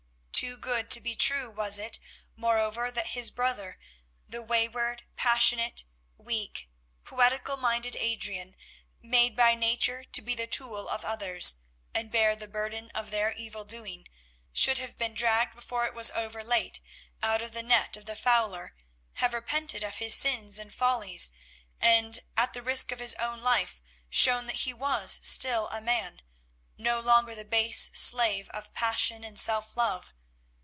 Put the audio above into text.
Too good to be true was it, moreover, that his brother, the wayward, passionate, weak, poetical minded Adrian, made by nature to be the tool of others, and bear the burden of their evil doing, should have been dragged before it was over late, out of the net of the fowler, have repented of his sins and follies, and, at the risk of his own life, shown that he was still a man, no longer the base slave of passion and self love.